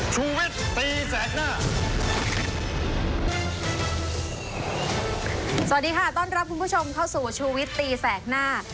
สวัสดีค่ะต้อนรับคุณผู้ชมเข้าสู่ชูวิตตีแสกหน้า